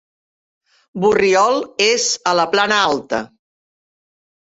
Borriol és a la Plana Alta.